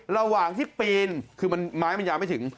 ระหว่างที่ปีนคือไม้มันยาวไม่ถึง